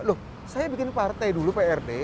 loh saya bikin partai dulu prt